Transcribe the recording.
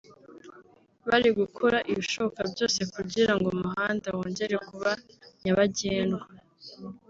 bari gukora ibishoboka byose kugira ngo umuhanda wongere kuba nyabagendwa